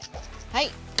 はい。